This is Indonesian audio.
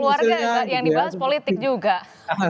ngumpul keluarga yang dibahas politik juga